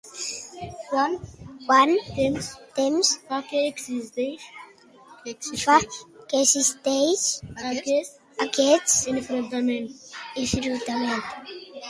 Quant temps fa que existeix aquest enfrontament?